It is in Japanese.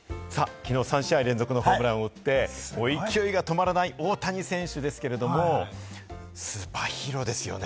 きのう３試合連続のホームランを打って、勢いが止まらない大谷選手ですけれども、スーパーヒーローですよね。